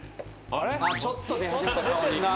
・ちょっと出始めた顔に。